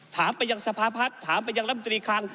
ถามประยังสภาพัฒน์ถามประยังรำตรีครั้ง